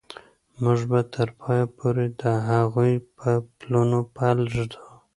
موږ به تر پایه پورې د هغوی په پلونو پل ږدو.